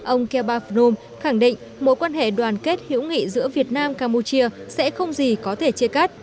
ông kelbaf nun khẳng định mối quan hệ đoàn kết hiểu nghị giữa việt nam campuchia sẽ không gì có thể chia cắt